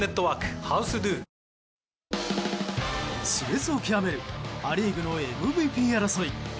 熾烈を極めるア・リーグのＭＶＰ争い。